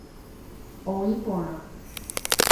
Oĩ porã.